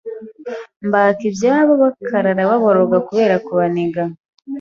mbaka ibyabo bakarara baboroga kubera kubaniga